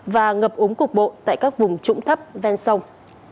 và ngập úng cục bộ tại các vùng trũng thấp ven sông